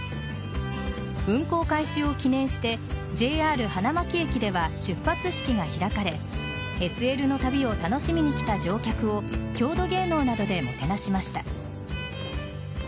運行開始を記念してＪＲ花巻駅では出発式が開かれＳＬの旅を楽しみに来た乗客を郷土芸能などでもてなしました。